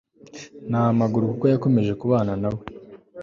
Ntamugarura kuko yakomeje kubana nawe